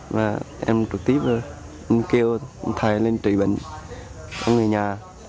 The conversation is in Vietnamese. và em trực tiếp kêu thầy lên trị bệnh có người nhà